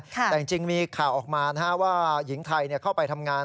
แต่จริงมีข่าวออกมาว่าหญิงไทยเข้าไปทำงาน